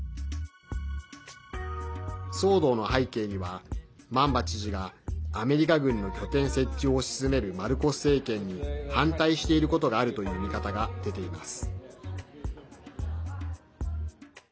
騒動の背景にはマンバ知事がアメリカ軍の拠点設置を推し進めるマルコス政権に反対していることがあるという見方が出ています。